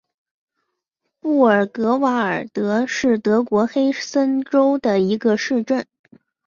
布尔格瓦尔德是德国黑森州的一个市镇。